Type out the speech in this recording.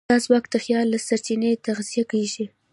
دا ځواک د خیال له سرچینې تغذیه کېږي.